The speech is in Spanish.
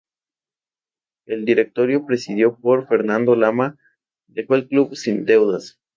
El directorio presidido por Fernando Lama dejó el club sin deudas.